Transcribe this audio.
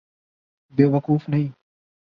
بے وقوف نہیں۔